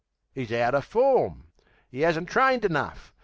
'E's out er form! 'E 'asn't trained enough!